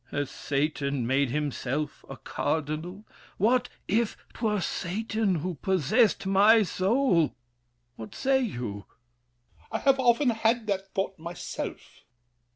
Has Satan made himself a cardinal? What if 'twere Satan who possessed my soul! What say you? L'ANGELY. I have often had that thought Myself!